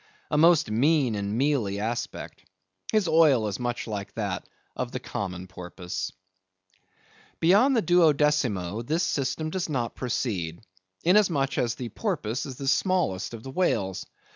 A most mean and mealy aspect! His oil is much like that of the common porpoise. Beyond the DUODECIMO, this system does not proceed, inasmuch as the Porpoise is the smallest of the whales.